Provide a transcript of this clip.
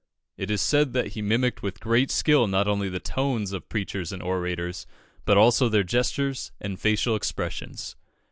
It is said that he mimicked with great skill not only the tones of preachers and orators, but also their gestures and facial expressions.